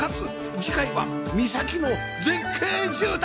次回は岬の絶景住宅